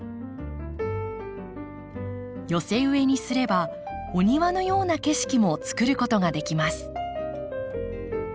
寄せ植えにすればお庭のような景色もつくることができます。